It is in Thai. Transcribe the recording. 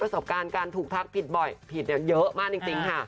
สบการณ์การถูกทักผิดบ่อยผิดเยอะมากจริงค่ะ